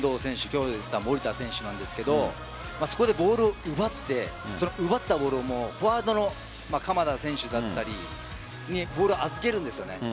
今日出た守田選手なんですがそこでボールを奪って奪ったボールをフォワードの鎌田選手だったりにボールを預けるんです。